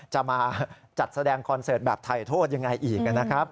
จะมาจัดแสดงคอนเสิร์ตแบบถ่ายโทษยังไงอีกนะครับ